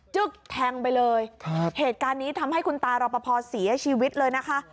แทงไปเลยครับเหตุการณ์นี้ทำให้คุณตารอปภเสียชีวิตเลยนะคะ